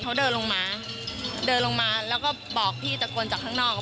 เขาเดินลงมาเดินลงมาแล้วก็บอกพี่ตะโกนจากข้างนอก